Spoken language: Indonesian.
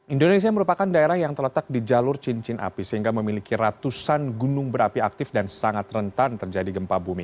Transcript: indonesia merupakan daerah yang terletak di jalur cincin api sehingga memiliki ratusan gunung berapi aktif dan sangat rentan terjadi gempa bumi